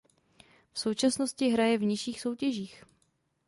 V současnosti hraje v nižších soutěžích.